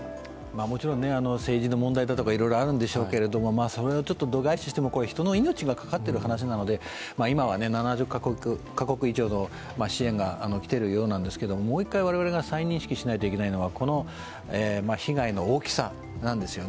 もちろん政治の問題だとかいろいろあるんでしょうけれどもそれをちょっと度外視しても人の命がかかってる話なので今は７０か国以上の支援が来て着ているようなんですけれども、もう一回我々が再認識しないといけないのはこの被害の大きさなんですよね。